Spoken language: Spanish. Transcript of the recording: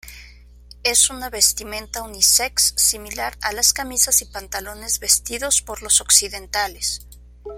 Es una vestimenta unisex similar a las camisas y pantalones vestidos por los occidentales.